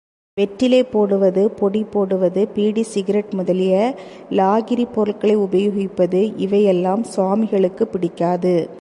வெற்றிலை போடுவது, பொடி போடுவது, பீடி சிகரெட் முதலிய லாகிரிப் பொருட்களை உபயோகிப்பது இவை யெல்லாம் சுவாமிகளுக்குப் பிடிக்காது.